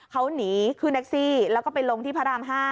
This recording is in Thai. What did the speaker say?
เขาหนีขึ้นแท็กซี่แล้วก็ไปลงที่พระราม๕